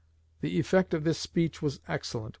The effect of this speech was excellent.